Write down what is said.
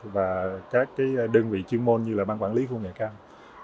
và các đơn vị chuyên môn như là ban quản lý khu nghệ cang